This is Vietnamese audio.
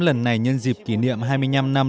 lần này nhân dịp kỷ niệm hai mươi năm năm